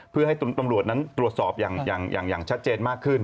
เพื่อให้ตำรวจนั้นตรวจสอบอย่างชัดเจนมากขึ้น